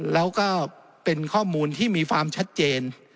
แล้วก็เป็นข้อมูลที่มีความชัดเจน